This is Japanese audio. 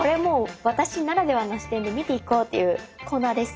私ならではの視点で見ていこうっていうコーナーです。